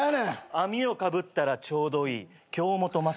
網をかぶったらちょうどいい京本政樹です。